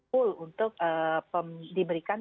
full untuk diberikan